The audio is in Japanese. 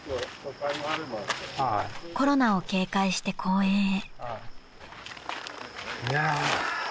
［コロナを警戒して公園へ］